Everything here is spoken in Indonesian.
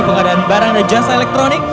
pengadaan barang dan jasa elektronik